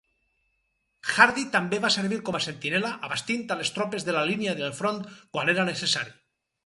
Hardy també va servir com a sentinella, abastint a les tropes de la línia del front quan era necessari.